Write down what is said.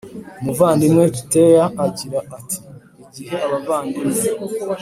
Umuvandimwe Tshiteya agira ati igihe abavandimwe